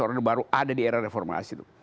order baru ada di era reformasi